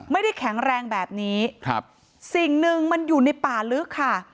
ไม่ได้แข็งแรงแบบนี้ครับสิ่งหนึ่งมันอยู่ในป่าลึกค่ะ